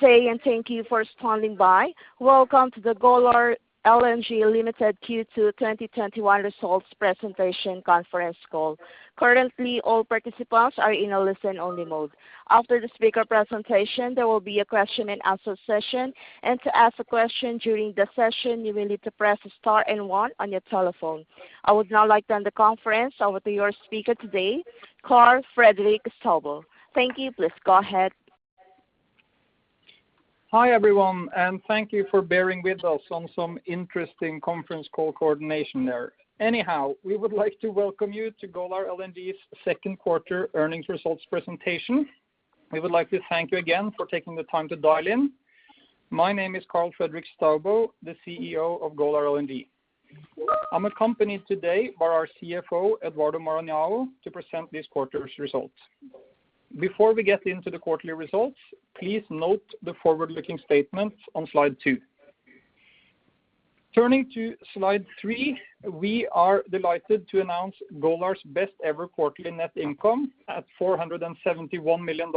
Good day, and thank you for standing by. Welcome to the Golar LNG Limited Q2 2021 results presentation conference call. Currently, all participants are in a listen-only mode. After the speaker presentation, there will be a question-and-answer session, and to ask a question you need to press star and one on your telephone. I would now like turn the conference over to your speaker today, Karl Fredrik Staubo. Thank you. Please go ahead. Hi, everyone, and thank you for bearing with us on some interesting conference call coordination there. We would like to welcome you to Golar LNG's 2nd quarter earnings results presentation. We would like to thank you again for taking the time to dial in. My name is Karl Fredrik Staubo, the CEO of Golar LNG. I'm accompanied today by our CFO, Eduardo Maranhao, to present this quarter's results. Before we get into the quarterly results, please note the forward-looking statements on Slide 2. Turning to slide 3, we are delighted to announce Golar's best-ever quarterly net income at $471 million,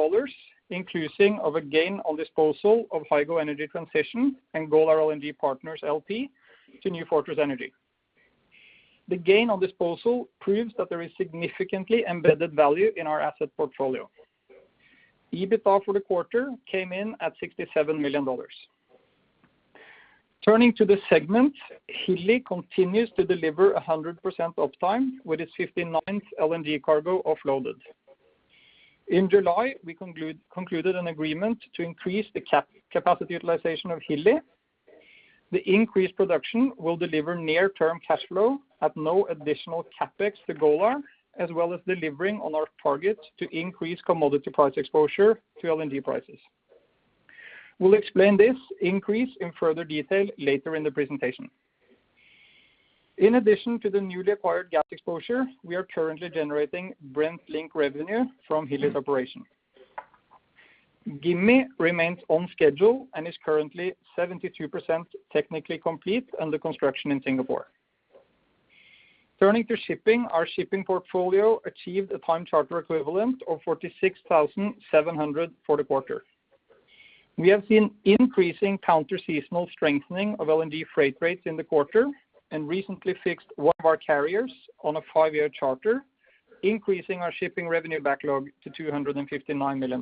increasing of a gain on disposal of Hygo Energy Transition and Golar LNG Partners, LP to New Fortress Energy. The gain on disposal proves that there is significantly embedded value in our asset portfolio. EBITDA for the quarter came in at $67 million. Turning to the segment, Hilli continues to deliver 100% uptime with its 59th LNG cargo offloaded. In July, we concluded an agreement to increase the capacity utilization of Hilli. The increased production will deliver near-term cash flow at no additional CapEx to Golar, as well as delivering on our target to increase commodity price exposure to LNG prices. We'll explain this increase in further detail later in the presentation. In addition to the newly acquired gas exposure, we are currently generating Brent-linked revenue from Hilli's operation. Gimi remains on schedule and is currently 72% technically complete under construction in Singapore. Turning to shipping, our shipping portfolio achieved a time charter equivalent of 46,700 for the quarter. We have seen increasing counter-seasonal strengthening of LNG freight rates in the quarter and recently fixed one of our carriers on a five-year charter, increasing our shipping revenue backlog to $259 million.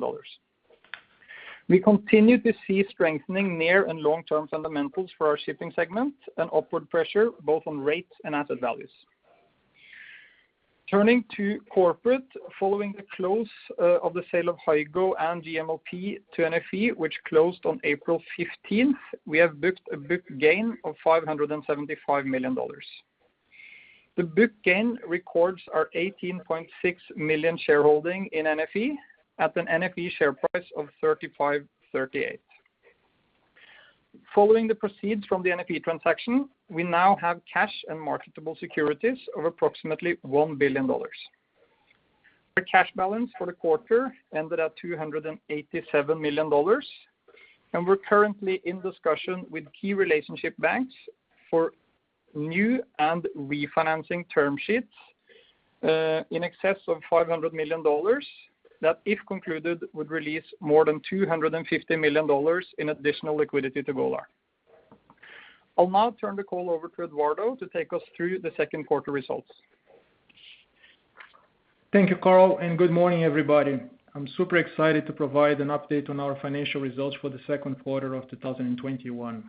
We continue to see strengthening near and long-term fundamentals for our shipping segment and upward pressure both on rates and asset values. Turning to corporate, following the close of the sale of Hygo and GMLP to NFE, which closed on April 15th, we have booked a book gain of $575 million. The book gain records our 18.6 million shareholding in NFE at an NFE share price of $35.38. Following the proceeds from the NFE transaction, we now have cash and marketable securities of approximately $1 billion. Our cash balance for the quarter ended at $287 million, and we're currently in discussion with key relationship banks for new and refinancing term sheets in excess of $500 million that, if concluded, would release more than $250 million in additional liquidity to Golar LNG. I'll now turn the call over to Eduardo to take us through the second quarter results. Thank you, Karl, and good morning, everybody. I'm super excited to provide an update on our financial results for the second quarter of 2021.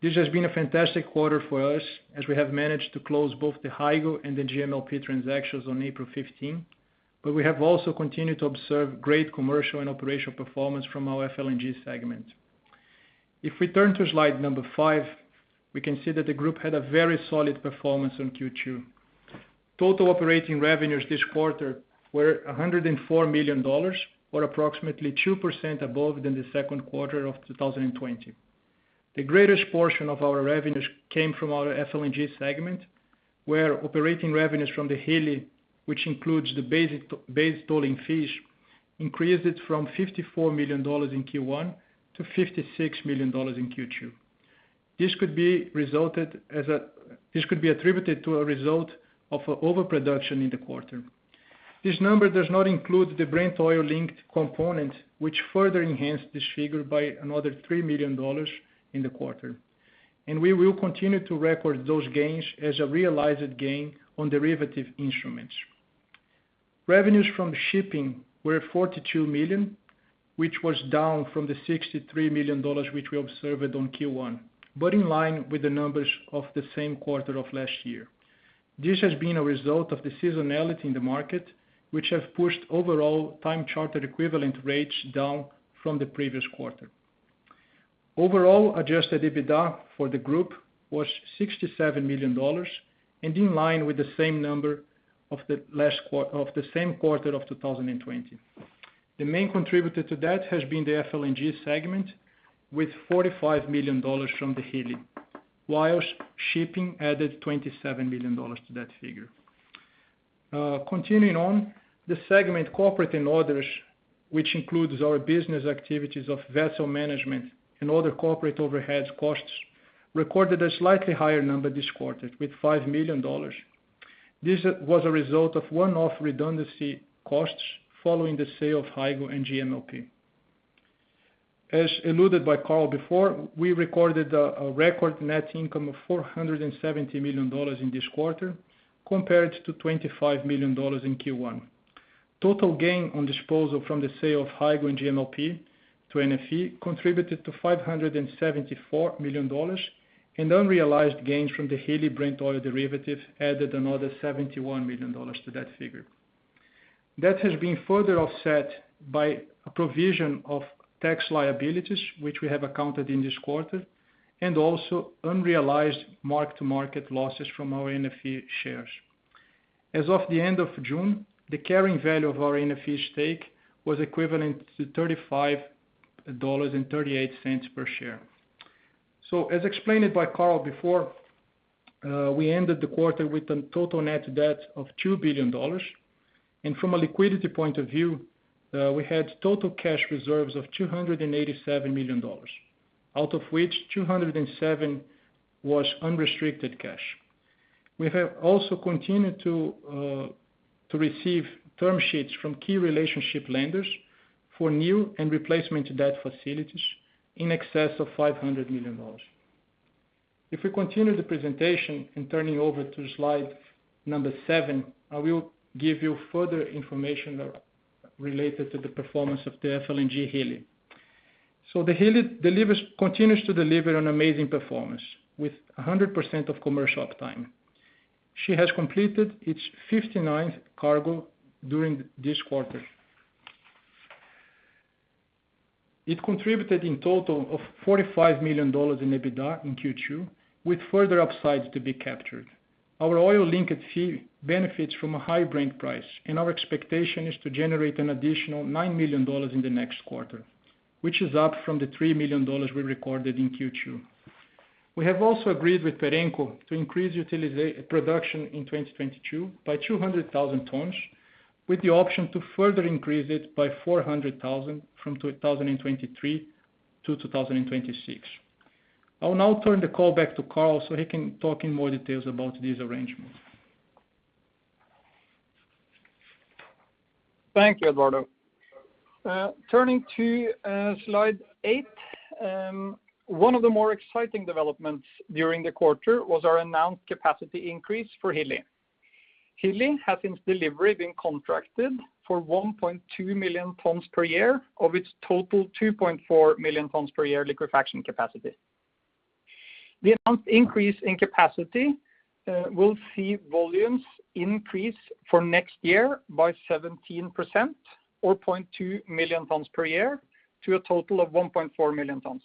This has been a fantastic quarter for us as we have managed to close both the Hygo and the GMLP transactions on April 15. We have also continued to observe great commercial and operational performance from our FLNG segment. If we turn to slide number five, we can see that the group had a very solid performance in Q2. Total operating revenues this quarter were $104 million or approximately 2% above the second quarter of 2020. The greatest portion of our revenues came from our FLNG segment, where operating revenues from the Hilli, which includes the base tolling fees, increased from $54 million in Q1 to $56 million in Q2. This could be attributed to a result of overproduction in the quarter. This number does not include the Brent oil-linked component, which further enhanced this figure by another $3 million in the quarter. We will continue to record those gains as a realized gain on derivative instruments. Revenues from shipping were $42 million, which was down from the $63 million which we observed on Q1, but in line with the numbers of the same quarter of last year. This has been a result of the seasonality in the market, which have pushed overall time charter equivalent rates down from the previous quarter. Overall adjusted EBITDA for the group was $67 million and in line with the same number of the same quarter of 2020. The main contributor to that has been the FLNG segment with $45 million from the Hilli, whilst shipping added $27 million to that figure. Continuing on, the segment corporate and others, which includes our business activities of vessel management and other corporate overhead costs, recorded a slightly higher number this quarter with $5 million. This was a result of one-off redundancy costs following the sale of Hygo and GMLP. As alluded by Karl before, we recorded a record net income of $470 million in this quarter, compared to $25 million in Q1. Total gain on disposal from the sale of Hygo and GMLP to NFE contributed to $574 million, and unrealized gains from the Hilli Brent oil derivative added another $71 million to that figure. That has been further offset by a provision of tax liabilities, which we have accounted in this quarter, and also unrealized mark-to-market losses from our NFE shares. As of the end of June, the carrying value of our NFE stake was equivalent to $35.38 per share. As explained by Karl before, we ended the quarter with a total net debt of $2 billion. From a liquidity point of view, we had total cash reserves of $287 million, out of which $207 million was unrestricted cash. We have also continued to receive term sheets from key relationship lenders for new and replacement debt facilities in excess of $500 million. If we continue the presentation, in turning over to slide number seven, I will give you further information related to the performance of the FLNG Hilli. The Hilli continues to deliver an amazing performance, with 100% of commercial uptime. She has completed its 59th cargo during this quarter. It contributed in total of $45 million in EBITDA in Q2, with further upsides to be captured. Our oil-linked fee benefits from a high Brent price, and our expectation is to generate an additional $9 million in the next quarter, which is up from the $3 million we recorded in Q2. We have also agreed with Perenco to increase production in 2022 by 200,000 tons, with the option to further increase it by 400,000 from 2023 to 2026. I will now turn the call back to Karl so he can talk in more details about these arrangements. Thank you, Eduardo. Turning to Slide 8. One of the more exciting developments during the quarter was our announced capacity increase for Hilli. Hilli has, since delivery, been contracted for 1.2 million tons per year of its total 2.4 million tons per year liquefaction capacity. The announced increase in capacity will see volumes increase for next year by 17%, or 0.2 million tons per year, to a total of 1.4 million tons.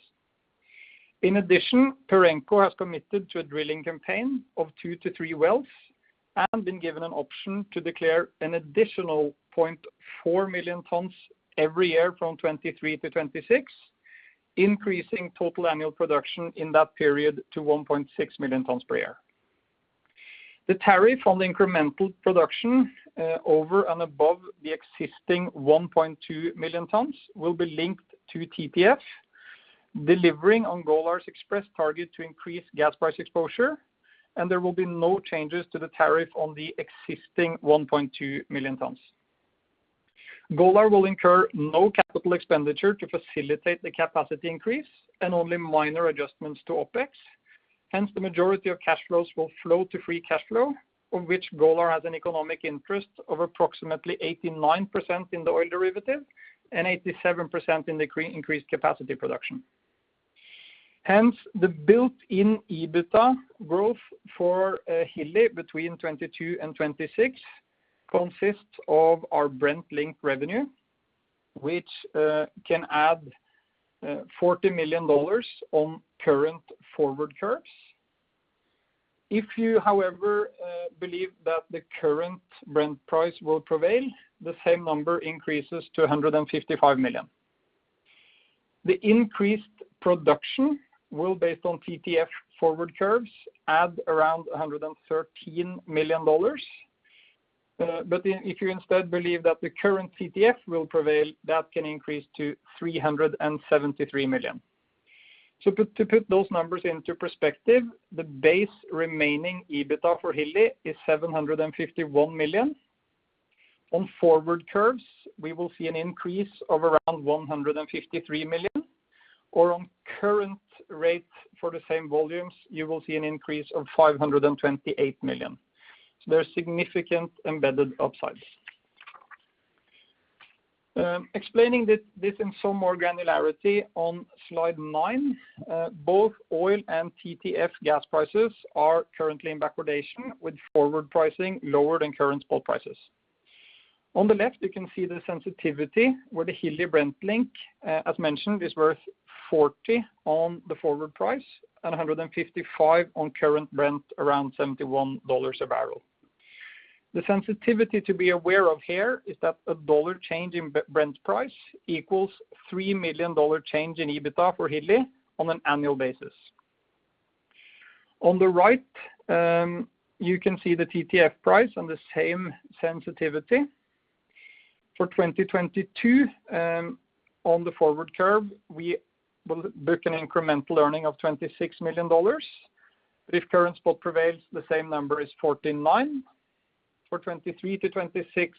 In addition, Perenco has committed to a drilling campaign of two to three wells and been given an option to declare an additional 0.4 million tons every year from 2023-2026, increasing total annual production in that period to 1.6 million tons per year. The tariff on the incremental production over and above the existing 1.2 million tons will be linked to TTF, delivering on Golar's express target to increase gas price exposure, and there will be no changes to the tariff on the existing 1.2 million tons. Golar will incur no CapEx to facilitate the capacity increase and only minor adjustments to OpEx. The majority of cash flows will flow to free cash flow, of which Golar has an economic interest of approximately 89% in the oil derivative and 87% in the increased capacity production. The built-in EBITDA growth for Hilli between 2022 and 2026 consists of our Brent link revenue, which can add $40 million on current forward curves. If you, however, believe that the current Brent price will prevail, the same number increases to $155 million. The increased production will, based on TTF forward curves, add $113 million. If you instead believe that the current TTF will prevail, that can increase to $373 million. To put those numbers into perspective, the base remaining EBITDA for Hilli is $751 million. On forward curves, we will see an increase of $153 million, or on current rates for the same volumes, you will see an increase of $528 million. There are significant embedded upsides. Explaining this in some more granularity on Slide 9, both oil and TTF gas prices are currently in backwardation with forward pricing lower than current spot prices. On the left, you can see the sensitivity where the Hilli Brent link, as mentioned, is worth $40 on the forward price and $155 on current Brent, $71 a barrel. The sensitivity to be aware of here is that a $1 change in Brent price equals $3 million change in EBITDA for Hilli on an annual basis. On the right, you can see the TTF price and the same sensitivity. For 2022, on the forward curve, we will book an incremental earning of $26 million. If current spot prevails, the same number is $14.9 million. For 2023-2026,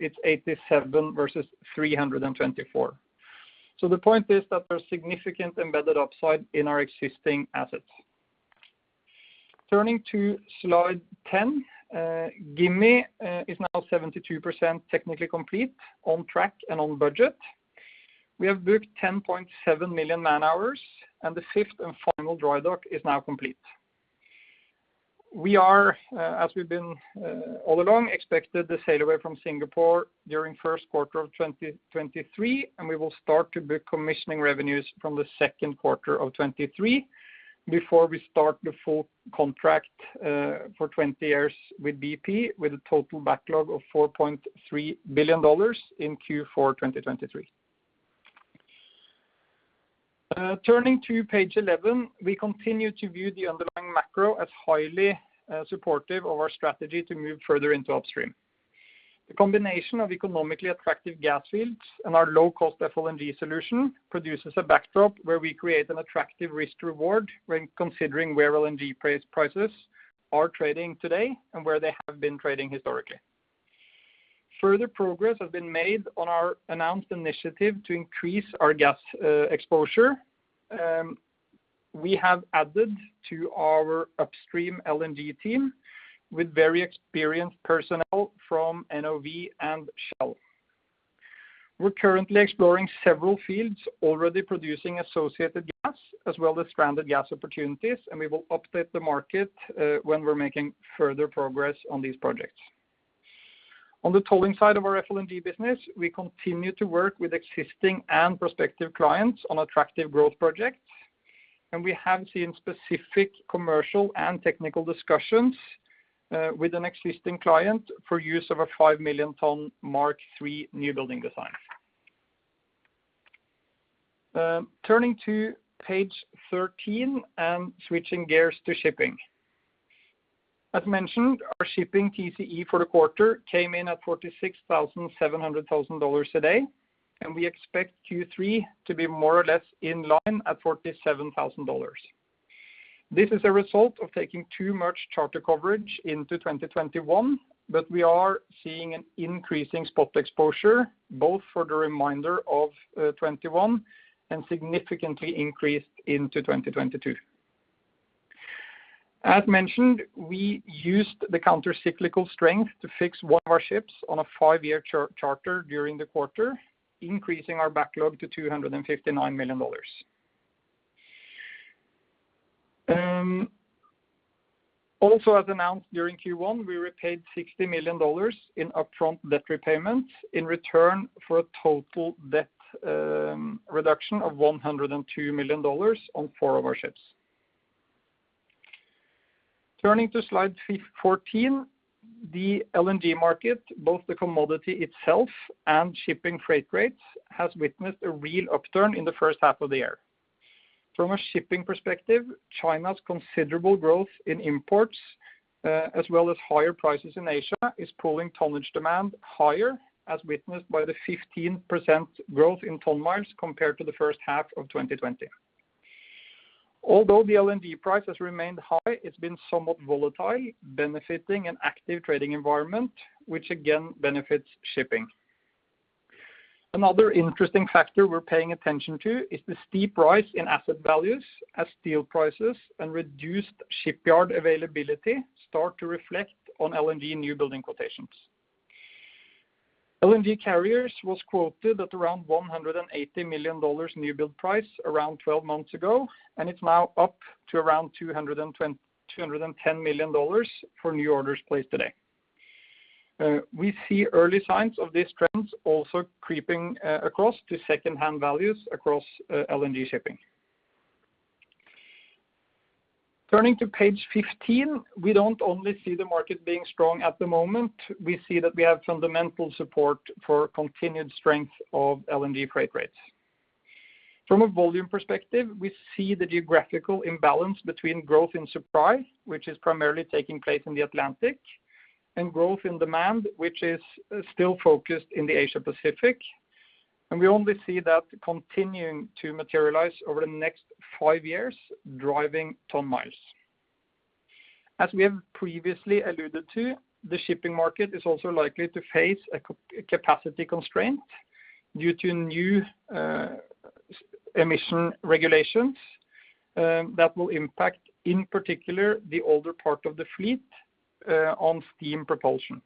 it's $87 million versus $324 million. The point is that there's significant embedded upside in our existing assets. Turning to Slide 10. Gimi is now 72% technically complete, on track and on budget. We have booked 10.7 million man-hours, and the fifth and final dry dock is now complete. We are, as we've been all along, expected to sail away from Singapore during the first quarter of 2023, and we will start to book commissioning revenues from the second quarter of 2023 before we start the full contract for 20 years with BP, with a total backlog of $4.3 billion in Q4 2023. Turning to page 11. We continue to view the underlying macro as highly supportive of our strategy to move further into upstream. The combination of economically attractive gas fields and our low-cost FLNG solution produces a backdrop where we create an attractive risk-to-reward when considering where LNG prices are trading today and where they have been trading historically. Further progress has been made on our announced initiative to increase our gas exposure. We have added to our upstream LNG team with very experienced personnel from NOV and Shell. We are currently exploring several fields already producing associated gas as well as stranded gas opportunities. We will update the market when we are making further progress on these projects. On the tolling side of our FLNG business, we continue to work with existing and prospective clients on attractive growth projects. We have seen specific commercial and technical discussions with an existing client for use of a 5 million ton Mark III new building design. Turning to page 13 and switching gears to shipping. As mentioned, our shipping TCE for the quarter came in at $46,700 a day. We expect Q3 to be more or less in line at $47,000. This is a result of taking too much charter coverage into 2021. We are seeing an increasing spot exposure both for the remainder of 2021 and significantly increased into 2022. As mentioned, we used the countercyclical strength to fix one of our ships on a five-year charter during the quarter, increasing our backlog to $259 million. Also, as announced during Q1, we repaid $60 million in upfront debt repayment in return for a total debt reduction of $102 million on four of our ships. Turning to Slide 14. The LNG market, both the commodity itself and shipping freight rates, has witnessed a real upturn in the first half of the year. From a shipping perspective, China's considerable growth in imports, as well as higher prices in Asia, is pulling tonnage demand higher, as witnessed by the 15% growth in ton miles compared to the first half of 2020. Although the LNG price has remained high, it's been somewhat volatile, benefiting an active trading environment, which again benefits shipping. Another interesting factor we are paying attention to is the steep rise in asset values as steel prices and reduced shipyard availability start to reflect on LNG new building quotations. LNG carriers were quoted at around $180 million new build price around 12 months ago, and it is now up to around $210 million for new orders placed today. We see early signs of these trends also creeping across to secondhand values across LNG shipping. Turning to page 15. We don't only see the market being strong at the moment. We see that we have fundamental support for continued strength of LNG freight rates. From a volume perspective, we see the geographical imbalance between growth in supply, which is primarily taking place in the Atlantic, and growth in demand, which is still focused in the Asia-Pacific. We only see that continuing to materialize over the next five years, driving ton miles. As we have previously alluded to, the shipping market is also likely to face a capacity constraint due to new emission regulations that will impact, in particular, the older part of the fleet on steam propulsion.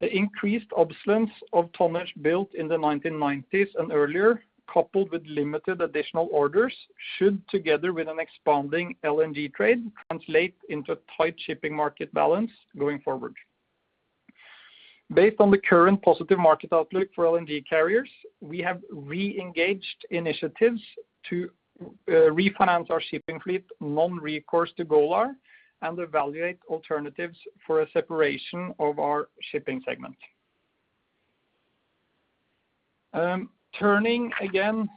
The increased absence of tonnage built in the 1990s and earlier, coupled with limited additional orders, should, together with an expanding LNG trade, translate into tight shipping market balance going forward. Based on the current positive market outlook for LNG carriers, we have re-engaged initiatives to refinance our shipping fleet non-recourse to Golar and evaluate alternatives for a separation of our shipping segment. Turning again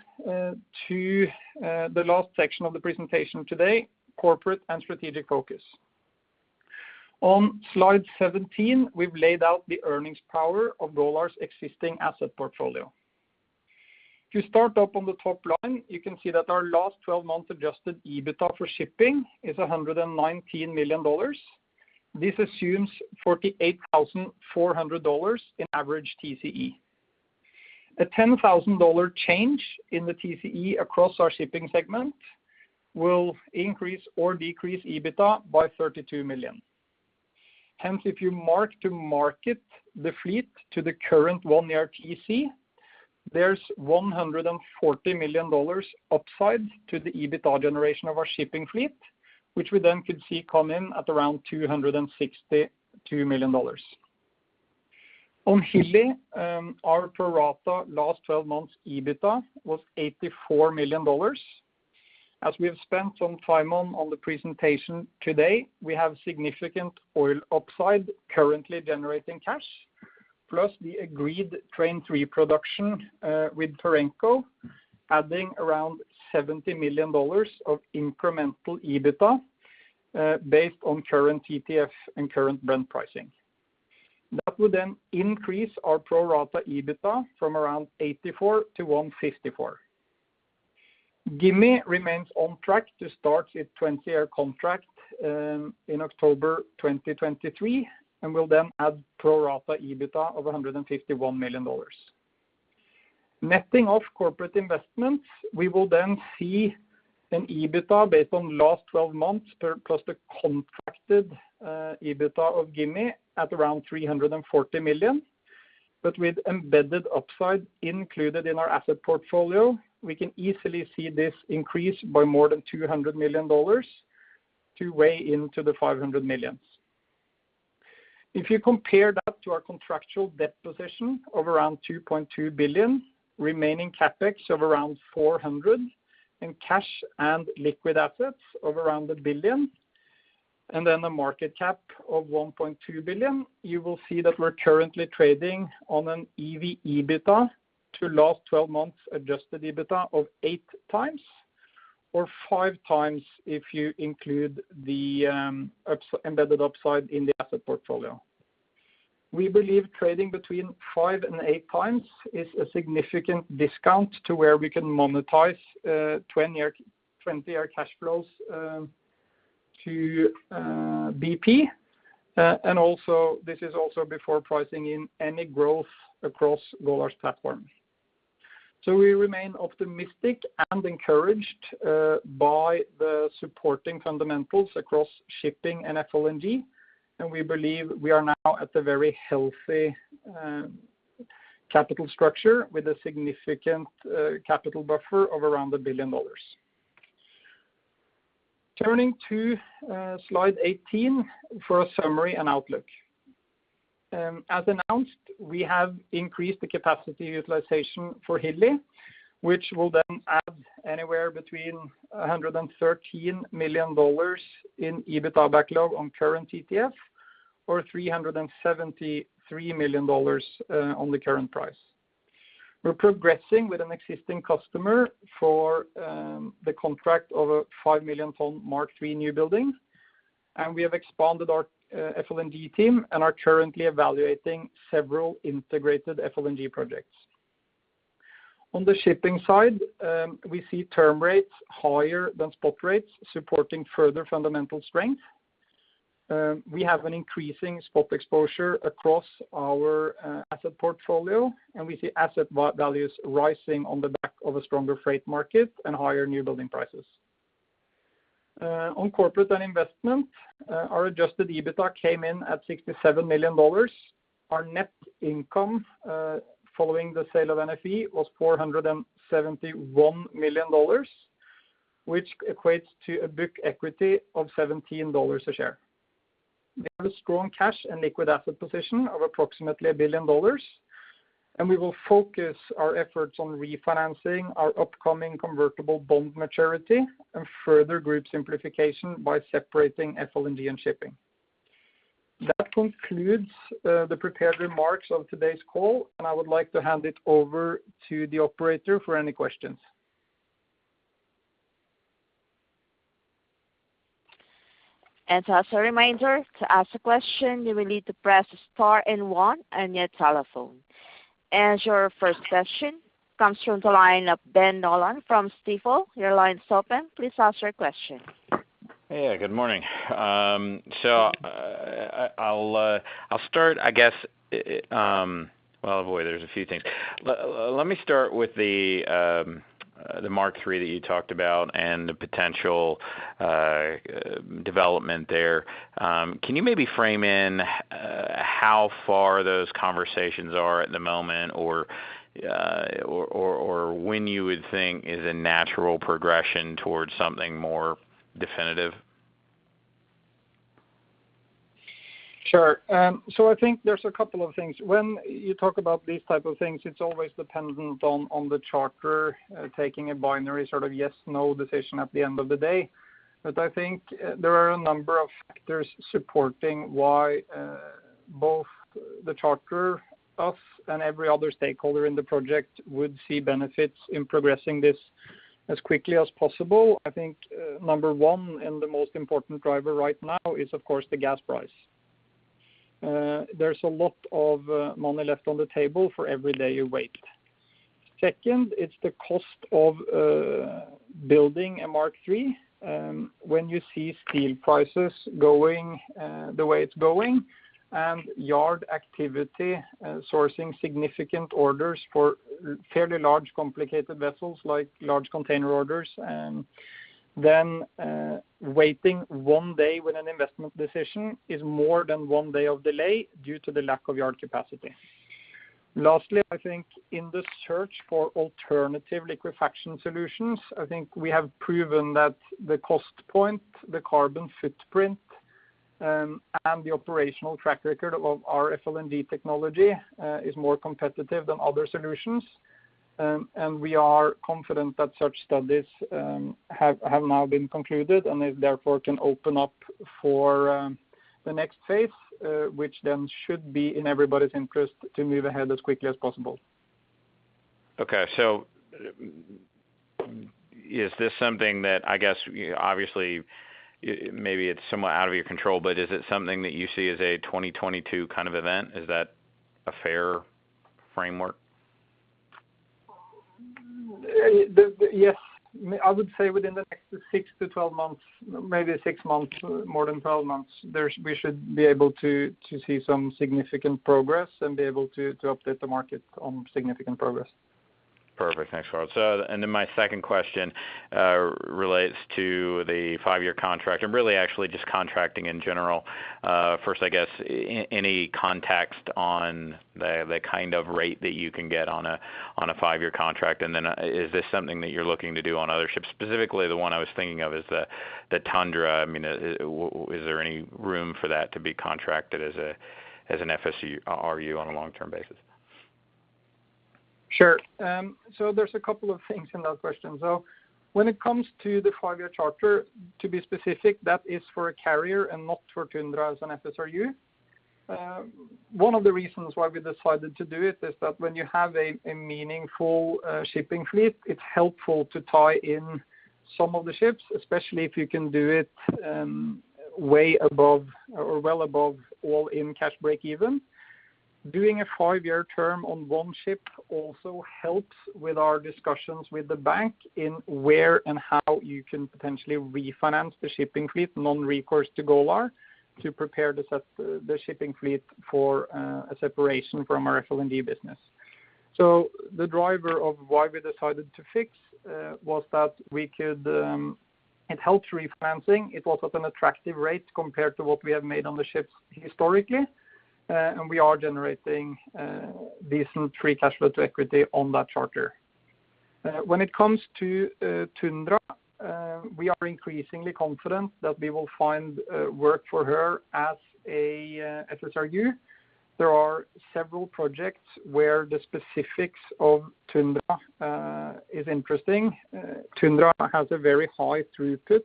to the last section of the presentation today, corporate and strategic focus. On Slide 17, we've laid out the earnings power of Golar's existing asset portfolio. If you start up on the top line, you can see that our last 12 months adjusted EBITDA for shipping is $119 million. This assumes $48,400 in average TCE. A $10,000 change in the TCE across our shipping segment will increase or decrease EBITDA by $32 million. Hence, if you mark-to-market the fleet to the current one-year TCE, there's $140 million upside to the EBITDA generation of our shipping fleet, which we then could see come in at around $262 million. On Hilli, our pro rata last 12 months EBITDA was $84 million. As we have spent some time on the presentation today, we have significant oil upside currently generating cash, plus the agreed Train 3 production with Perenco adding around $70 million of incremental EBITDA based on current TTF and current Brent pricing. That would increase our pro rata EBITDA from around $84 million-$154 million. Gimi remains on track to start its 20-year contract in October 2023 and will then add pro rata EBITDA of $151 million. Netting off corporate investments, we will then see an EBITDA based on last 12 months plus the contracted EBITDA of Gimi at around $340 million. With embedded upside included in our asset portfolio, we can easily see this increase by more than $200 million to weigh into the $500 millions. If you compare that to our contractual debt position of around $2.2 billion, remaining CapEx of around $400 million, and cash and liquid assets of around $1 billion, the market cap of $1.2 billion, you will see that we are currently trading on an EV/EBITDA to last 12 months adjusted EBITDA of 8x or 5x if you include the embedded upside in the asset portfolio. We believe trading between 5x and 8x is a significant discount to where we can monetize 20-year cash flows to BP. This is also before pricing in any growth across Golar's platform. We remain optimistic and encouraged by the supporting fundamentals across shipping and FLNG. We believe we are now at a very healthy capital structure with a significant capital buffer of around $1 billion. Turning to Slide 18 for a summary and outlook. As announced, we have increased the capacity utilization for Hilli, which will then add anywhere between $113 million in EBITDA backlog on current TTF or $373 million on the current price. We are progressing with an existing customer for the contract of a 5 million ton Mark III new building, and we have expanded our FLNG team and are currently evaluating several integrated FLNG projects. On the shipping side, we see term rates higher than spot rates supporting further fundamental strength. We have an increasing spot exposure across our asset portfolio, and we see asset values rising on the back of a stronger freight market and higher new building prices. On corporate and investment, our adjusted EBITDA came in at $67 million. Our net income following the sale of NFE was $471 million, which equates to a book equity of $17 a share. We have a strong cash and liquid asset position of approximately $1 billion, and we will focus our efforts on refinancing our upcoming convertible bond maturity and further group simplification by separating FLNG and shipping. That concludes the prepared remarks of today's call, and I would like to hand it over to the operator for any questions. As a reminder, to ask a question, you will need to press star and one on your telephone. Your first question comes from the line of Ben Nolan from Stifel. Your line is open. Please ask your question. Yeah, good morning. I'll start. There's a few things. Let me start with the Mark III that you talked about and the potential development there. Can you maybe frame in how far those conversations are at the moment or when you would think is a natural progression towards something more definitive? Sure. I think there's a couple of things. When you talk about these type of things, it's always dependent on the charter taking a binary sort of yes/no decision at the end of the day. I think there are a number of factors supporting why both the charterer, us and every other stakeholder in the project would see benefits in progressing this as quickly as possible. I think number one and the most important driver right now is, of course, the gas price. There's a lot of money left on the table for every day you wait. Second, it's the cost of building a Mark III. When you see steel prices going the way it is going and yard activity sourcing significant orders for fairly large, complicated vessels like large container orders, then waiting one day with an investment decision is more than one day of delay due to the lack of yard capacity. Lastly, I think in the search for alternative liquefaction solutions, I think we have proven that the cost point, the carbon footprint, and the operational track record of our FLNG technology is more competitive than other solutions. We are confident that such studies have now been concluded and it, therefore, can open up for the next phase which then should be in everybody's interest to move ahead as quickly as possible. Okay. Is this something that, I guess, obviously, maybe it's somewhat out of your control, but is it something that you see as a 2022 kind of event? Is that a fair framework? Yes. I would say within the next 6-12 months, maybe six months more than 12 months, we should be able to see some significant progress and be able to update the market on significant progress. Perfect. Thanks, Karl. My second question relates to the five-year contract and really actually just contracting in general. First, I guess, any context on the kind of rate that you can get on a five-year contract, and then is this something that you're looking to do on other ships? Specifically, the one I was thinking of is the Golar Tundra. Is there any room for that to be contracted as an FSRU on a long-term basis? Sure. There's a couple of things in that question. When it comes to the five-year charter, to be specific, that is for a carrier and not for Tundra as an FSRU. One of the reasons why we decided to do it is that when you have a meaningful shipping fleet, it's helpful to tie in some of the ships, especially if you can do it way above or well above all-in cash breakeven. Doing a five-year term on one ship also helps with our discussions with the bank in where and how you can potentially refinance the shipping fleet non-recourse to Golar to prepare the shipping fleet for a separation from our FLNG business. The driver of why we decided to fix was that it helps refinancing. It was at an attractive rate compared to what we have made on the ships historically. We are generating decent free cash flow to equity on that charter. When it comes to Tundra, we are increasingly confident that we will find work for her as a FSRU. There are several projects where the specifics of Tundra is interesting. Tundra has a very high throughput,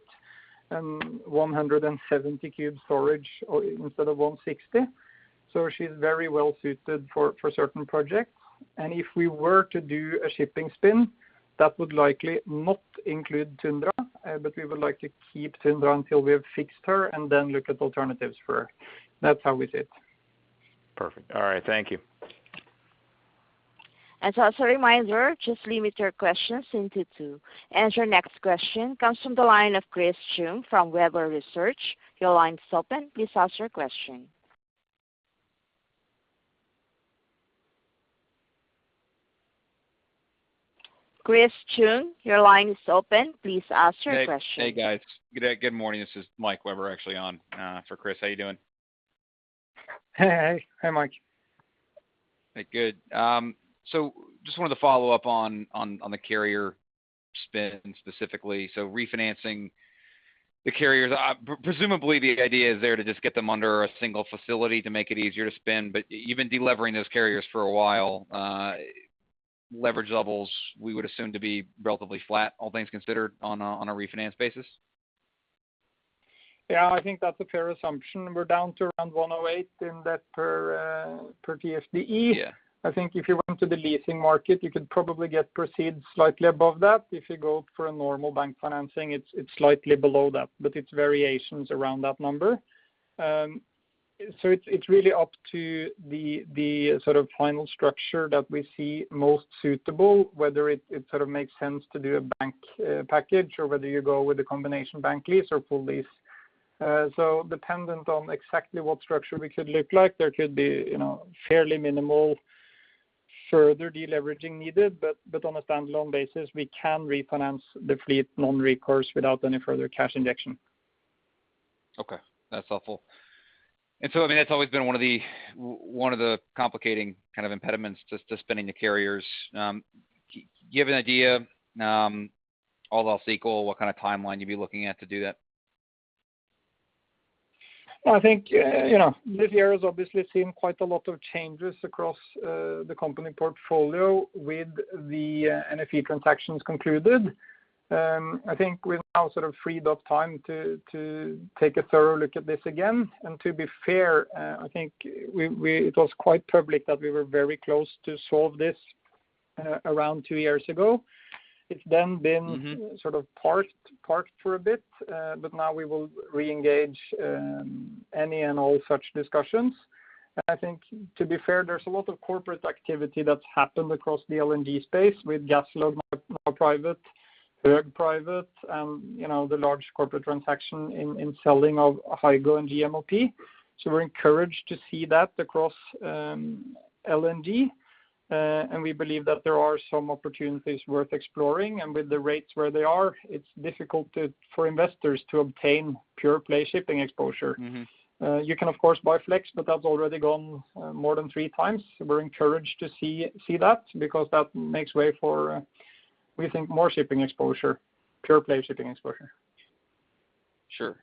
170 cube storage instead of 160. She's very well suited for certain projects. If we were to do a shipping spin, that would likely not include Tundra, but we would like to keep Tundra until we have fixed her and then look at alternatives for her. That's how we see it. Perfect. All right, thank you. Just a reminder, just limit your questions into two. Your next question comes from the line of Chris Chung from Webber Research. Your line is open. Please ask your question. Chris Chung, your line is open. Please ask your question. Hey, guys. Good day. Good morning. This is Mike Webber actually on for Chris Chung. How you doing? Hey. Hi, Mike. Hey, good. Just wanted to follow up on the carrier spin specifically. Refinancing the carriers. Presumably, the idea is there to just get them under a single facility to make it easier to spin, but you've been de-levering those carriers for a while. Leverage levels we would assume to be relatively flat, all things considered, on a refinance basis? Yeah, I think that's a fair assumption. We're down to around $108 in debt per TFDE. Yeah. I think if you went to the leasing market, you could probably get proceeds slightly above that. If you go for a normal bank financing, it's slightly below that, but it's variations around that number. It's really up to the sort of final structure that we see most suitable, whether it sort of makes sense to do a bank package or whether you go with a combination bank lease or full lease. Dependent on exactly what structure we could look like, there could be fairly minimal further de-leveraging needed, but on a standalone basis, we can refinance the fleet non-recourse without any further cash injection. Okay. That's helpful. I mean, that's always been one of the complicating kind of impediments to spinning the carriers. Do you have an idea, all else equal, what kind of timeline you'd be looking at to do that? Well, I think this year has obviously seen quite a lot of changes across the company portfolio with the NFE transactions concluded. I think we have now freed up time to take a thorough look at this again. To be fair, I think it was quite public that we were very close to solve this around two years ago. sort of parked for a bit. Now we will reengage any and all such discussions. I think, to be fair, there's a lot of corporate activity that's happened across the LNG space with GasLog now private, Höegh private, the large corporate transaction in selling of Hygo and GMLP. We're encouraged to see that across LNG. We believe that there are some opportunities worth exploring. With the rates where they are, it's difficult for investors to obtain pure play shipping exposure. You can, of course, buy Flex, but that's already gone more than 3x. We're encouraged to see that because that makes way for, we think, more shipping exposure, pure play shipping exposure. Sure.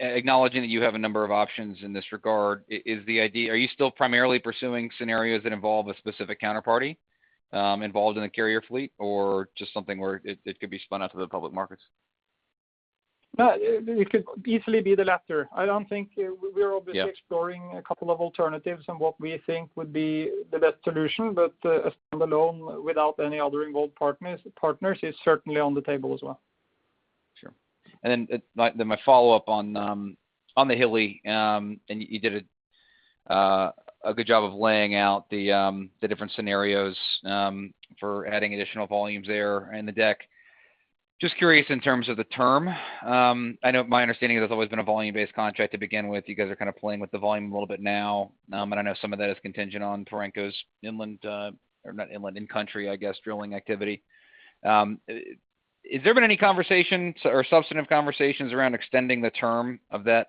Acknowledging that you have a number of options in this regard, are you still primarily pursuing scenarios that involve a specific counterparty involved in the carrier fleet or just something where it could be spun out to the public markets? It could easily be the latter. We are obviously exploring a couple of alternatives and what we think would be the best solution. A stand-alone without any other involved partners is certainly on the table as well. Then my follow-up on the Hilli, and you did a good job of laying out the different scenarios for adding additional volumes there in the deck. Just curious in terms of the term, my understanding is there's always been a volume-based contract to begin with. You guys are kind of playing with the volume a little bit now. I know some of that is contingent on Perenco's inland, or not inland, in country, I guess, drilling activity. Has there been any conversations or substantive conversations around extending the term of the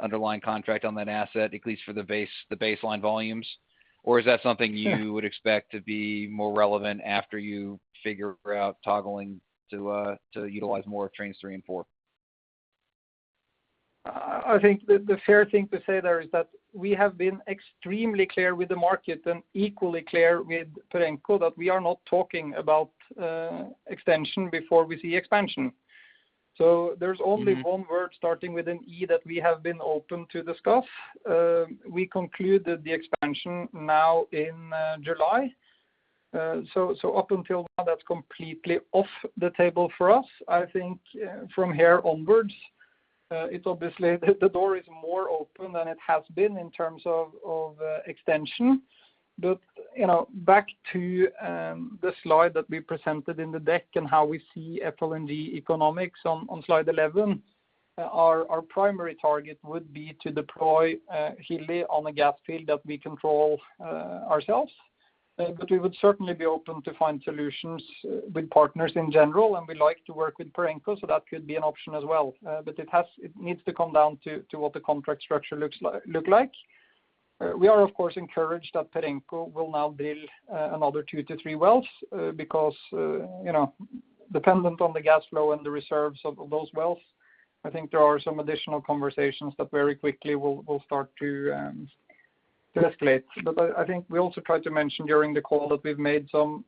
underlying contract on that asset, at least for the baseline volumes? Is that something you would expect to be more relevant after you figure out toggling to utilize more of Train 3 and 4? I think the fair thing to say there is that we have been extremely clear with the market and equally clear with Perenco that we are not talking about extension before we see expansion. There is only one word starting with an E that we have been open to discuss. We conclude the expansion now in July. Up until now, that's completely off the table for us. I think from here onwards, obviously, the door is more open than it has been in terms of extension. Back to the slide that we presented in the deck and how we see FLNG economics on Slide 11. Our primary target would be to deploy Hilli on a gas field that we control ourselves. We would certainly be open to find solutions with partners in general, and we like to work with Perenco, so that could be an option as well. It needs to come down to what the contract structure looks like. We are, of course, encouraged that Perenco will now drill another two to three wells because dependent on the gas flow and the reserves of those wells, I think there are some additional conversations that very quickly will start to escalate. I think we also tried to mention during the call that we've made some,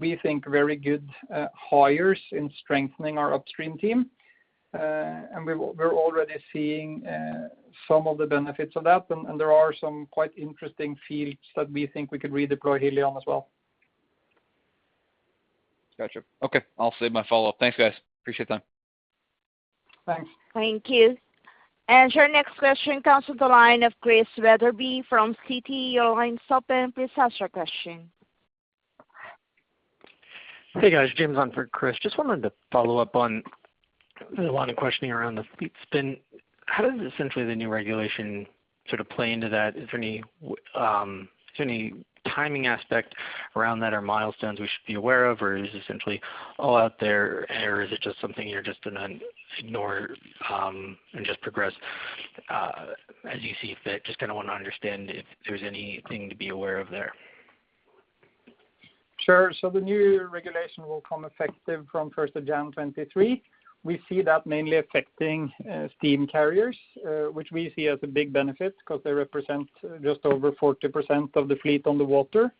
we think, very good hires in strengthening our upstream team. We are already seeing some of the benefits of that, and there are some quite interesting fields that we think we could redeploy Hilli on as well. Got you. Okay, I'll save my follow-up. Thanks, guys. Appreciate the time. Thanks. Thank you. Your next question comes to the line of Chris Wetherbee from Citi. Your line is open. Please ask your question. Hey, guys. James on for Chris. Just wanted to follow up on there's a lot of questioning around the fleet spin. How does essentially the new regulation play into that? Is there any timing aspect around that or milestones we should be aware of, or is this essentially all out there, or is it just something you're just going to ignore and just progress as you see fit? Just kind of want to understand if there's anything to be aware of there. Sure. The new regulation will come effective from 1st of January 2023. We see that mainly affecting steam carriers, which we see as a big benefit because they represent just over 40% of the fleet on the water.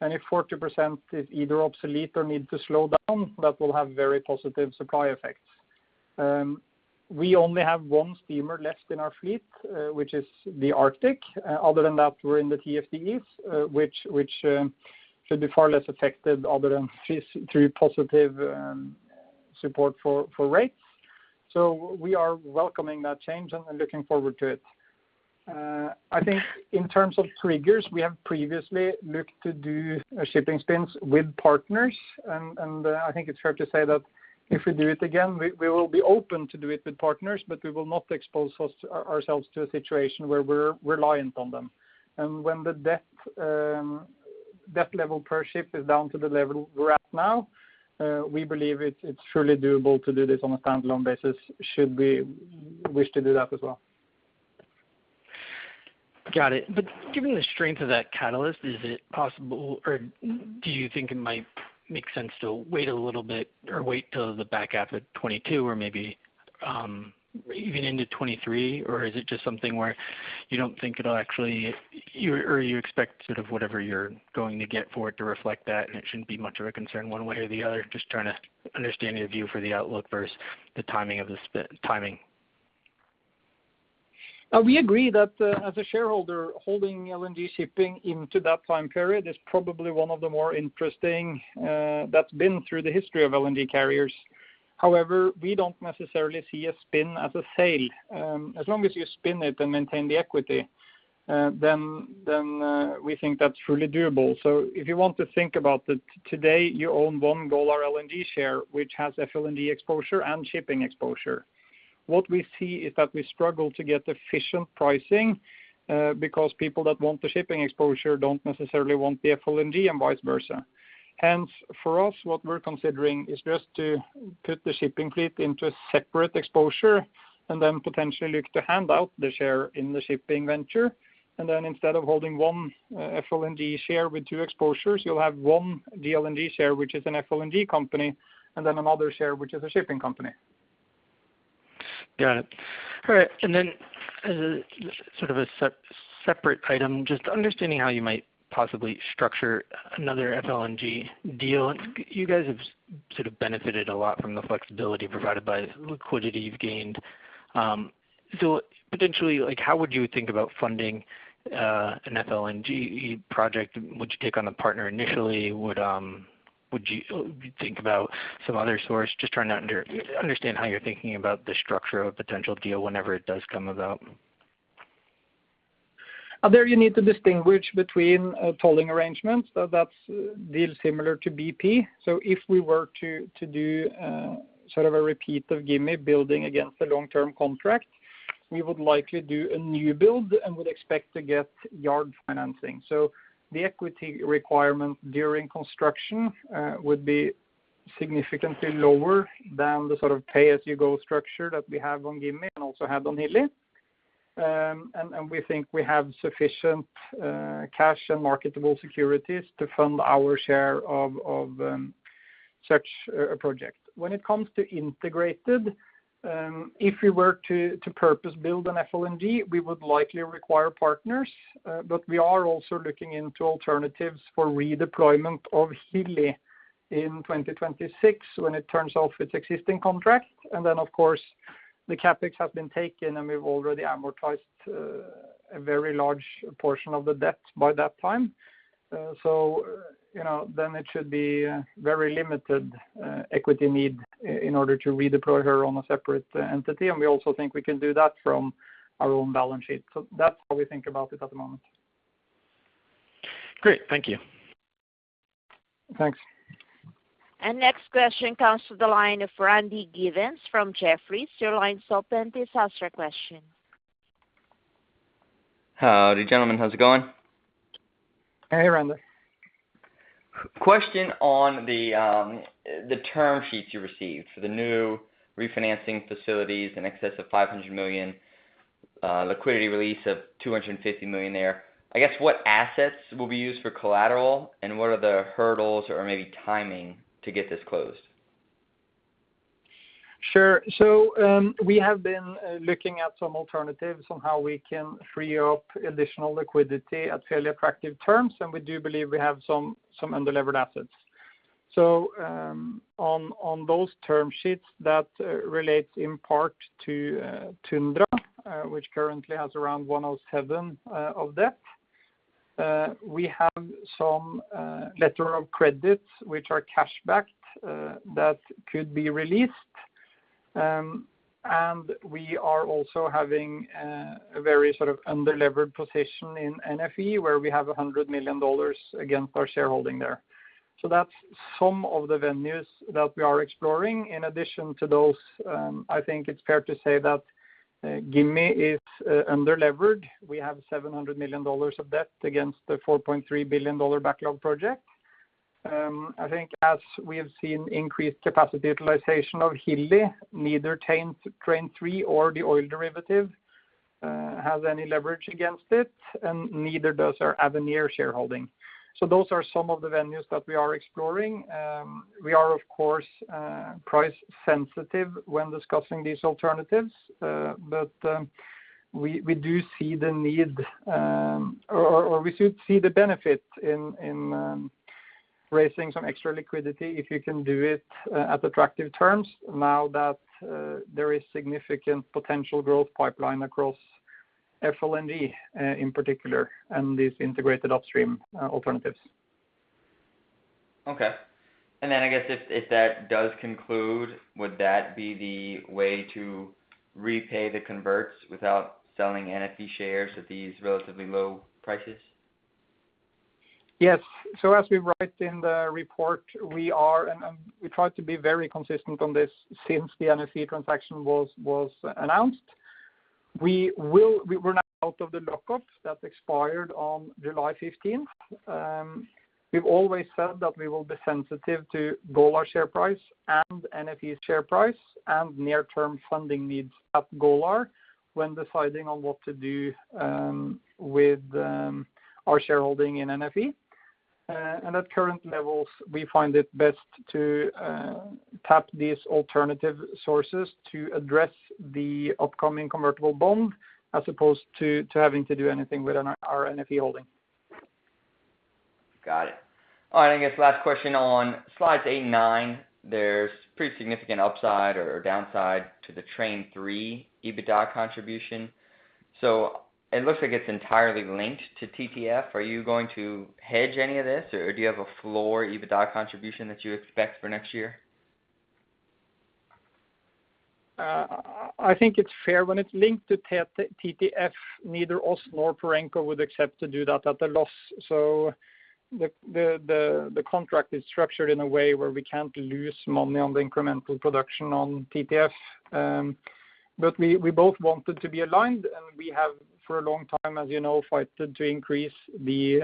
If 40% is either obsolete or need to slow down, that will have very positive supply effects. We only have one steamer left in our fleet, which is the Golar Arctic. Other than that, we are in the TFDEs which should be far less affected other than through positive support for rates. We are welcoming that change and looking forward to it. I think in terms of triggers, we have previously looked to do shipping spins with partners. I think it's fair to say that if we do it again, we will be open to do it with partners, but we will not expose ourselves to a situation where we are reliant on them. When the debt level per ship is down to the level we are at now, we believe it's truly doable to do this on a stand-alone basis should we wish to do that as well. Got it. Given the strength of that catalyst, is it possible or do you think it might make sense to wait a little bit or wait till the back half of 2022 or maybe even into 2023, or is it just something where you don't think it'll actually, or you expect sort of whatever you're going to get for it to reflect that, and it shouldn't be much of a concern one way or the other? Just trying to understand your view for the outlook versus the timing. We agree that as a shareholder, holding LNG shipping into that time period is probably one of the more interesting that's been through the history of LNG carriers. However, we don't necessarily see a spin as a sale. As long as you spin it and maintain the equity, then we think that's really doable. If you want to think about it, today you own one Golar LNG share, which has FLNG exposure and shipping exposure. What we see is that we struggle to get efficient pricing because people that want the shipping exposure don't necessarily want the FLNG and vice versa. Hence, for us, what we're considering is just to put the shipping fleet into a separate exposure and then potentially look to hand out the share in the shipping venture. Instead of holding one FLNG share with two exposures, you'll have one GLNG share, which is an FLNG company, and then another share, which is a shipping company. Got it. All right. As a sort of a separate item, just understanding how you might possibly structure another FLNG deal. You guys have sort of benefited a lot from the flexibility provided by the liquidity you've gained. Potentially, how would you think about funding an FLNG project? Would you take on a partner initially? Would you think about some other source? Just trying to understand how you're thinking about the structure of a potential deal whenever it does come about. There you need to distinguish between tolling arrangements. That's deal similar to BP. If we were to do sort of a repeat of Gimi building against a long-term contract, we would likely do a new build and would expect to get yard financing. The equity requirement during construction would be significantly lower than the sort of pay-as-you-go structure that we have on Gimi and also have on Hilli. We think we have sufficient cash and marketable securities to fund our share of such a project. When it comes to integrated, if we were to purpose-build an FLNG, we would likely require partners. We are also looking into alternatives for redeployment of Hilli in 2026 when it turns off its existing contract. Then, of course, the CapEx has been taken, and we've already amortized a very large portion of the debt by that time. It should be very limited equity need in order to redeploy her on a separate entity. We also think we can do that from our own balance sheet. That's how we think about it at the moment. Great. Thank you. Thanks. Next question comes to the line of Randy Giveans from Jefferies. Your line is open to ask your question. Howdy, gentlemen. How's it going? Hey, Randy. Question on the term sheets you received for the new refinancing facilities in excess of $500 million, liquidity release of $250 million there. I guess, what assets will be used for collateral, and what are the hurdles or maybe timing to get this closed? Sure. We have been looking at some alternatives on how we can free up additional liquidity at fairly attractive terms, and we do believe we have some undelivered assets. On those term sheets that relate in part to Tundra, which currently has around $107 of debt. We have some letters of credit which are cash-backed that could be released. We are also having a very sort of undelivered position in NFE, where we have $100 million against our shareholding there. That's some of the venues that we are exploring. In addition to those, I think it's fair to say that Gimi is under-leveraged. We have $700 million of debt against the $4.3 billion backlog project. I think as we have seen increased capacity utilization of Hilli, neither Train 3 or the oil derivative has any leverage against it, and neither does our Avenir shareholding. Those are some of the venues that we are exploring. We are, of course, price sensitive when discussing these alternatives, but we do see the need, or we should see the benefit in raising some extra liquidity if you can do it at attractive terms now that there is significant potential growth pipeline across FLNG in particular and these integrated upstream alternatives. Okay. I guess if that does conclude, would that be the way to repay the converts without selling NFE shares at these relatively low prices? Yes. As we write in the report, we try to be very consistent on this since the NFE transaction was announced. We were now out of the lockups that expired on July 15th. We've always said that we will be sensitive to Golar share price and NFE share price and near-term funding needs at Golar when deciding on what to do with our shareholding in NFE. At current levels, we find it best to tap these alternative sources to address the upcoming convertible bond as opposed to having to do anything with our NFE holding. Got it. All right. I guess last question on Slides 8 and 9, there's pretty significant upside or downside to the Train 3 EBITDA contribution. It looks like it's entirely linked to TTF. Are you going to hedge any of this, or do you have a floor EBITDA contribution that you expect for next year? I think it's fair when it's linked to TTF, neither us nor Perenco would accept to do that at a loss. The contract is structured in a way where we can't lose money on the incremental production on TTF. We both wanted to be aligned, and we have for a long time, as you know, fought to increase the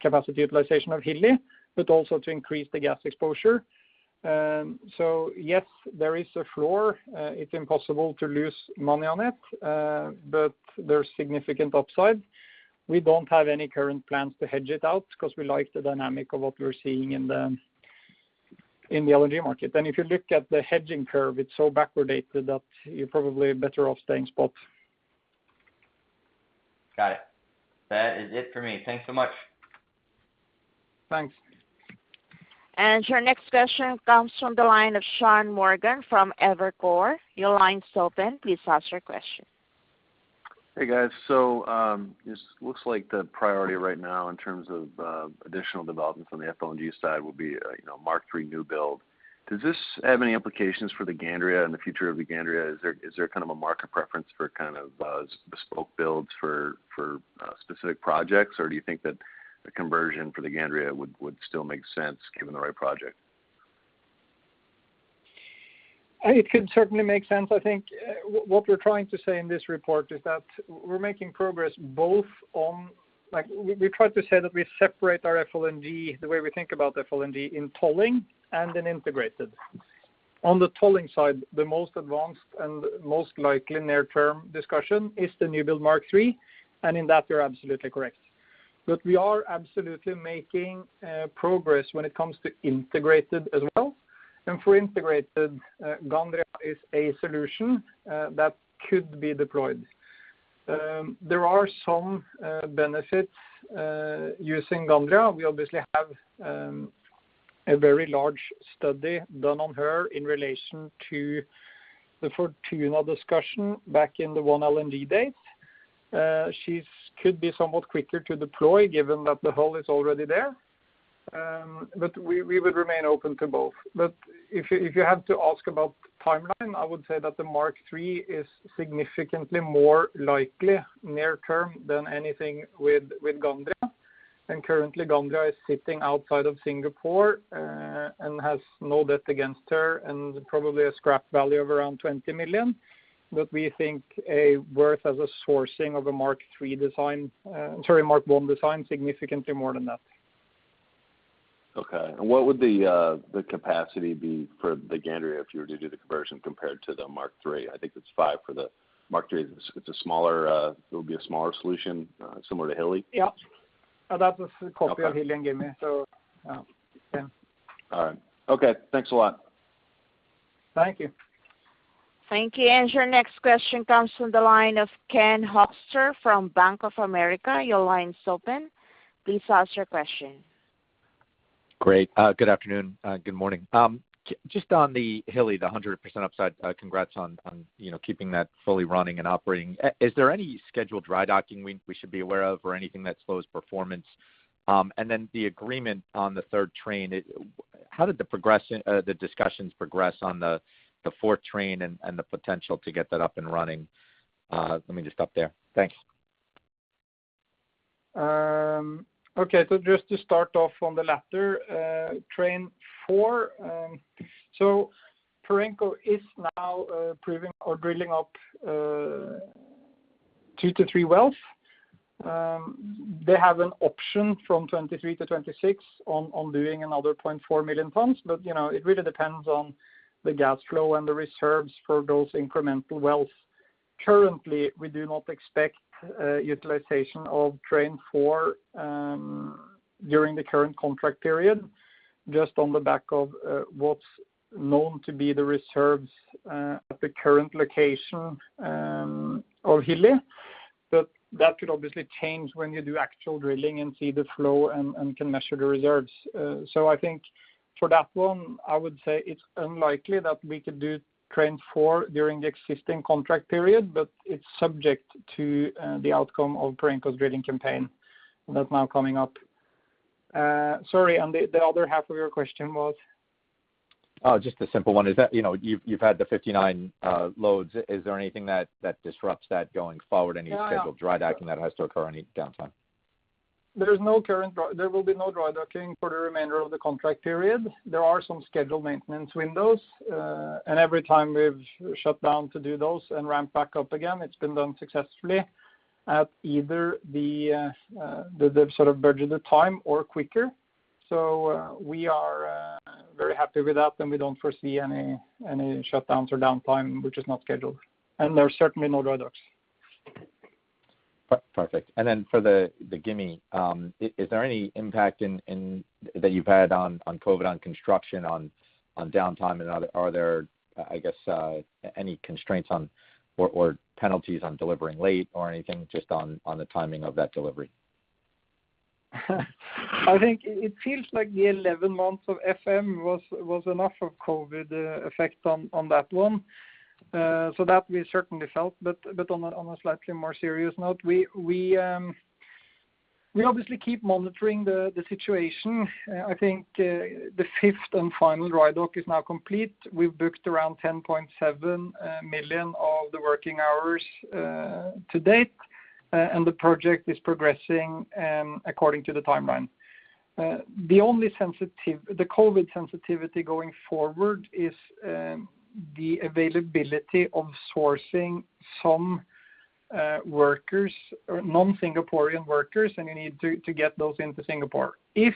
capacity utilization of Hilli, but also to increase the gas exposure. Yes, there is a floor. It's impossible to lose money on it. There's significant upside. We don't have any current plans to hedge it out because we like the dynamic of what we're seeing in the LNG market. If you look at the hedging curve, it's so backwardated that you're probably better off staying spot. Got it. That is it for me. Thanks so much. Thanks. Your next question comes from the line of Sean Morgan from Evercore. Your line is open. Please ask your question. Hey, guys. It looks like the priority right now in terms of additional developments on the FLNG side will be Mark III newbuild. Does this have any implications for the Gandria and the future of the Gandria? Is there a market preference for bespoke builds for specific projects, or do you think that the conversion for the Gandria would still make sense given the right project? It could certainly make sense, I think. What we're trying to say in this report is that we're making progress. We try to say that we separate our FLNG, the way we think about FLNG, in tolling and in integrated. On the tolling side, the most advanced and most likely near-term discussion is the new build Mark III. In that, you are absolutely correct. We are absolutely making progress when it comes to integrated as well. For integrated, Gandria is a solution that could be deployed. There are some benefits using Gandria. We obviously have a very large study done on her in relation to the Fortuna discussion back in the OneLNG days. She could be somewhat quicker to deploy given that the hull is already there. We would remain open to both. If you had to ask about timeline, I would say that the Mark III is significantly more likely near-term than anything with Golar Gandria. Currently, Golar Gandria is sitting outside of Singapore, and has no debt against her, and probably a scrap value of around $20 million. We think a worth as a sourcing of a Mark III design, sorry, Mk I design, significantly more than that. Okay. What would the capacity be for the Gandria if you were to do the conversion compared to the Mark III? I think it's five for the Mark III. It's a smaller solution similar to Hilli? Yeah. That was the copy of Hilli and Gimi, so yeah. All right. Okay. Thanks a lot. Thank you. Thank you. Your next question comes from the line of Ken Hoexter from Bank of America. Your line is open. Please ask your question. Great. Good afternoon. Good morning. Just on the Hilli, the 100% upside. Congrats on keeping that fully running and operating. Is there any scheduled dry docking we should be aware of or anything that slows performance? The agreement on the Train 3, how did the discussions progress on the Train 4 and the potential to get that up and running? Let me just stop there. Thanks. Just to start off on the latter, Train 4. Perenco is now proving or drilling up two to three wells. They have an option from 2023-2026 on doing another 0.4 million tons. It really depends on the gas flow and the reserves for those incremental wells. Currently, we do not expect utilization of Train 4 during the current contract period, just on the back of what's known to be the reserves at the current location of Hilli. That could obviously change when you do actual drilling and see the flow and can measure the reserves. I think for that one, I would say it's unlikely that we could do Train 4 during the existing contract period, but it's subject to the outcome of Perenco's drilling campaign that's now coming up. Sorry, and the other half of your question was? Oh, just the simple one. You've had the 59 loads. Is there anything that disrupts that going forward? No. Any scheduled dry docking that has to occur, any downtime? There will be no dry dock for the remainder of the contract period. There are some scheduled maintenance windows. Every time we've shut down to do those and ramp back up again, it's been done successfully at either the sort of budgeted time or quicker. We are very happy with that, and we don't foresee any shutdowns or downtime which is not scheduled. There are certainly no dry docks. Perfect. For the Gimi, is there any impact that you've had on COVID on construction, on downtime, and are there any constraints or penalties on delivering late or anything just on the timing of that delivery? I think it feels like the 11 months of FM was enough of COVID effect on that one. That we certainly felt. On a slightly more serious note, we obviously keep monitoring the situation. I think the fifth and final dry dock is now complete. We've booked around $10.7 million of the working hours to date, and the project is progressing according to the timeline. The COVID sensitivity going forward is the availability of sourcing some non-Singaporean workers, and you need to get those into Singapore. If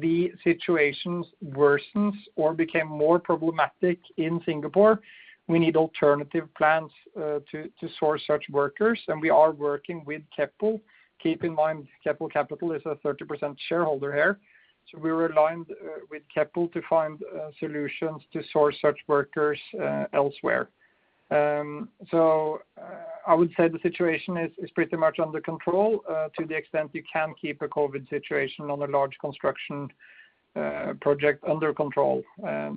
the situations worsens or became more problematic in Singapore, we need alternative plans to source such workers, and we are working with Keppel. Keep in mind, Keppel Capital is a 30% shareholder here, so we are aligned with Keppel to find solutions to source such workers elsewhere. I would say the situation is pretty much under control to the extent you can keep a COVID situation on a large construction project under control.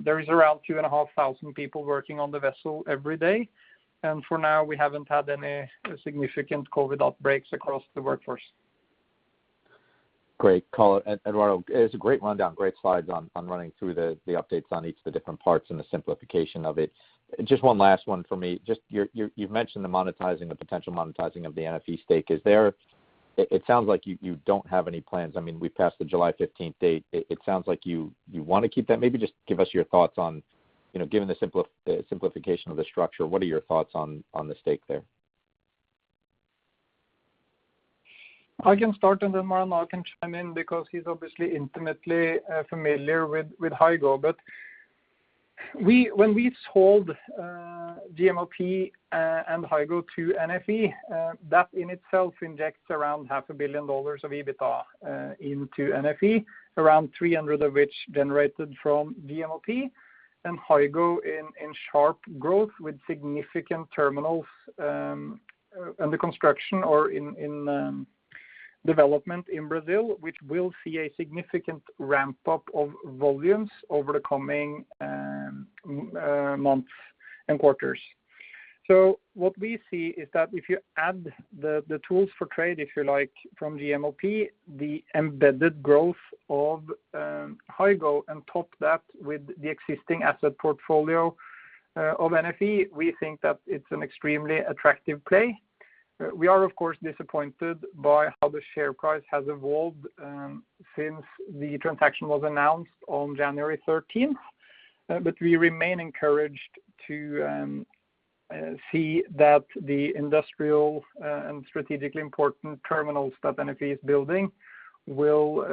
There is around 2,500 people working on the vessel every day, and for now, we haven't had any significant COVID outbreaks across the workforce. Great call. Eduardo, it is a great rundown, great slides on running through the updates on each of the different parts and the simplification of it. Just one last one for me. You've mentioned the potential monetizing of the NFE stake. It sounds like you don't have any plans. We've passed the July 15th date. It sounds like you want to keep that. Maybe just give us your thoughts on, given the simplification of the structure, what are your thoughts on the stake there? I can start, and then Maranhao can chime in because he's obviously intimately familiar with Hygo. When we sold GMLP and Hygo to NFE, that in itself injects around $500 million of EBITDA into NFE, around $300 million of which generated from GMLP and Hygo in sharp growth with significant terminals under construction or in development in Brazil, which will see a significant ramp-up of volumes over the coming months and quarters. What we see is that if you add the tools for trade, if you like, from the GMLP, the embedded growth of Hygo, and top that with the existing asset portfolio of NFE, we think that it's an extremely attractive play. We are, of course, disappointed by how the share price has evolved since the transaction was announced on January 13th. We remain encouraged to see that the industrial and strategically important terminals that NFE is building will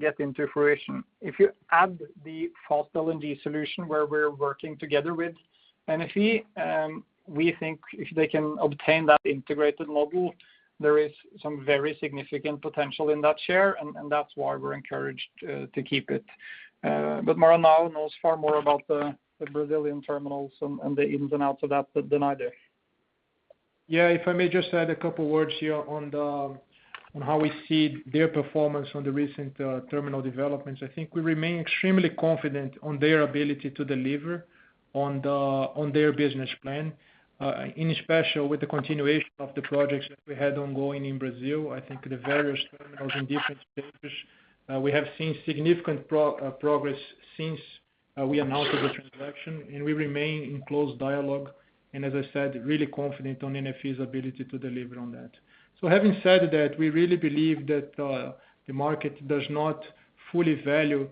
get into fruition. If you add the Fast LNG solution where we are working together with NFE, we think if they can obtain that integrated model, there is some very significant potential in that share, and that's why we are encouraged to keep it. Maranhao now knows far more about the Brazilian terminals and the ins and outs of that than I do. Yeah, if I may just add a couple words here on how we see their performance on the recent terminal developments. I think we remain extremely confident on their ability to deliver on their business plan. In special with the continuation of the projects that we had ongoing in Brazil. I think the various terminals in different stages. We have seen significant progress since we announced the transaction, and we remain in close dialogue, and as I said, really confident on NFE's ability to deliver on that. Having said that, we really believe that the market does not fully value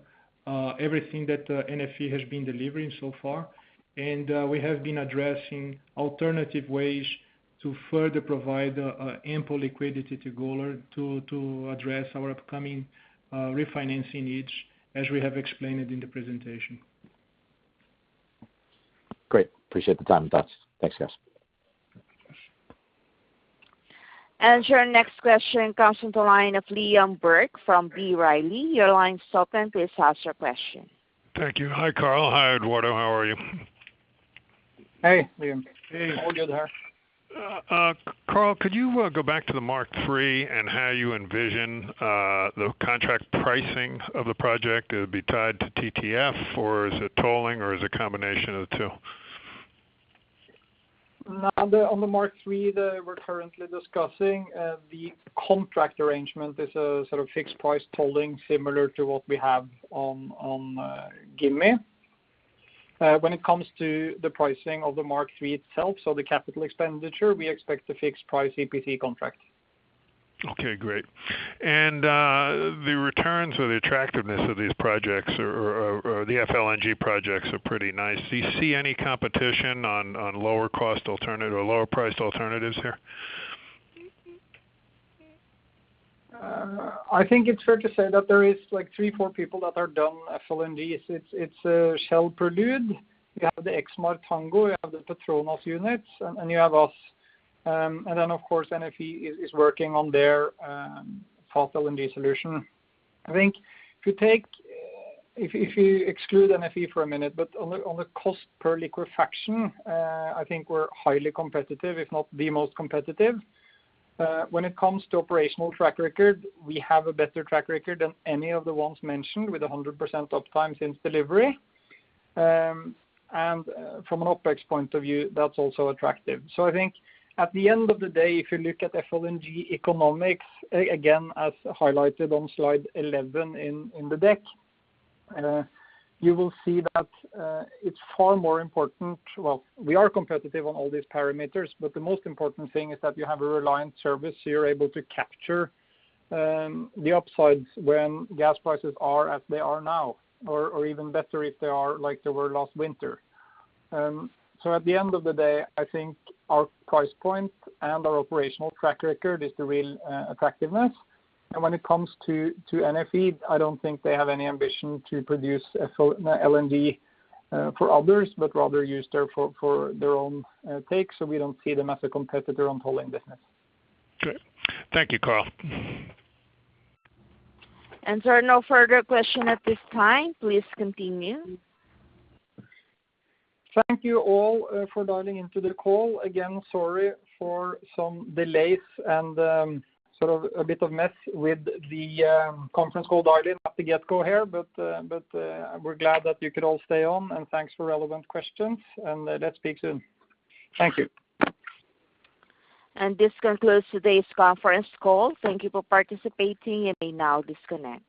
everything that NFE has been delivering so far. We have been addressing alternative ways to further provide ample liquidity to Golar to address our upcoming refinancing needs as we have explained it in the presentation. Great. Appreciate the time. Thanks, guys. Your next question comes from the line of Liam Burke from B. Riley. Thank you. Hi, Karl. Hi, Eduardo. How are you? Hey, Liam. Hey. All good here. Karl, could you go back to the Mark III and how you envision the contract pricing of the project? It would be tied to TTF, or is it tolling, or is it a combination of the two? On the Mark III that we are currently discussing, the contract arrangement is a sort of fixed price tolling similar to what we have on Gimi. When it comes to the pricing of the Mark III itself, so the capital expenditure, we expect a fixed price EPC contract. Okay, great. The returns or the attractiveness of these projects or the FLNG projects are pretty nice. Do you see any competition on lower-priced alternatives here? I think it's fair to say that there is three, four people that have done FLNGs. It's Shell produced. You have the EXMAR Tango, you have the Petronas units, and you have us. Then, of course, NFE is working on their Fast LNG solution. I think if you exclude NFE for a minute, but on the cost per liquefaction, I think we're highly competitive, if not the most competitive. When it comes to operational track record, we have a better track record than any of the ones mentioned, with 100% uptime since delivery. From an OpEx point of view, that's also attractive. So I think at the end of the day, if you look at FLNG economics, again, as highlighted on Slide 11 in the deck, you will see that it's far more important. We are competitive on all these parameters, but the most important thing is that you have a reliant service. You're able to capture the upsides when gas prices are as they are now, or even better if they are like they were last winter. At the end of the day, I think our price point and our operational track record is the real attractiveness. When it comes to NFE, I don't think they have any ambition to produce FLNG for others, but rather use there for their own take. We don't see them as a competitor on hauling business. Great. Thank you, Karl. There are no further question at this time. Please continue. Thank you all for dialing into the call. Again, sorry for some delays and sort of a bit of mess with the conference call dialing at the get-go here. We're glad that you could all stay on, and thanks for relevant questions, and let's speak soon. Thank you. This concludes today's conference call. Thank you for participating. You may now disconnect.